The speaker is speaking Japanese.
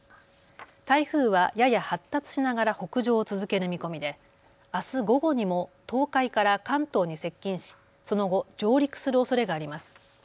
台風はやや発達しながら北上を続ける見込みであす午後にも東海から関東に接近し、その後、上陸するおそれがあります。